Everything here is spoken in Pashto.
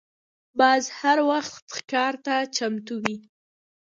باز هر وخت ښکار ته چمتو وي